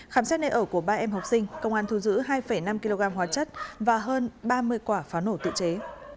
khám xét nơi ở của ba em học sinh công an thu giữ hai năm kg hóa chất và hơn ba mươi quả pháo nổ tự chế